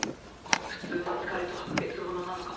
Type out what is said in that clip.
普通の疲れとは別物なのかも。